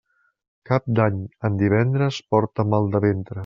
Cap d'Any en divendres porta mal de ventre.